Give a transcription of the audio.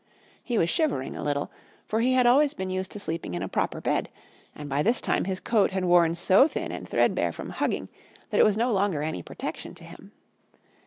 He was shivering a little, for he had always been used to sleeping in a proper bed, and by this time his coat had worn so thin and threadbare from hugging that it was no longer any protection to him.